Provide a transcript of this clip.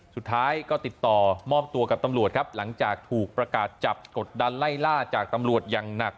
สุดท้ายก็ติดต่อมอบตัวกับตำรวจครับหลังจากถูกประกาศจับกดดันไล่ล่าจากตำรวจอย่างหนัก